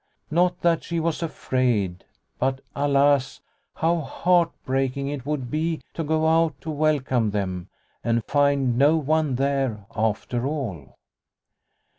Not that she was afraid, but alas ! how heart breaking it would be to go out to welcome them and find no one there after all